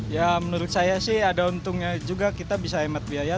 ya menurut saya sih ada untungnya juga kita bisa hemat biaya